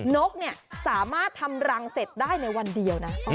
นกเนี่ยสามารถทำรังเสร็จได้ในวันเดียวนะ